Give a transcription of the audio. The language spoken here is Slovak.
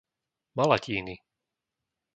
Malatíny